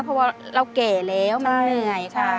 เพราะว่าเราแก่แล้วมันเหนื่อยค่ะ